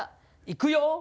いくよ。